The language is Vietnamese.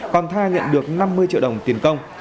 còn tha nhận được năm mươi triệu đồng tiền công